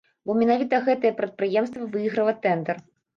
Бо менавіта гэтае прадпрыемства выйграла тэндэр.